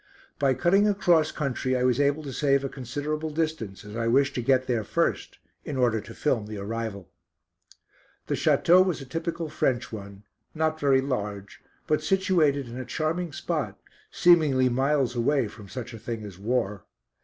By cutting across country I was able to save a considerable distance as I wished to get there first, in order to film the arrival. The château was a typical French one, not very large, but situated in a charming spot, seemingly miles away from such a thing as war.